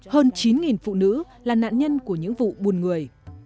hơn chín phụ nữ là nạn nhân của những vụ buôn người